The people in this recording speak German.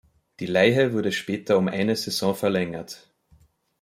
Die Leihe wurde später um eine Saison verlängert.